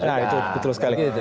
nah itu betul sekali